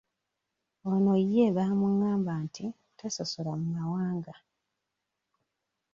Ono ye bamungamba nti tasosola mu mawanga.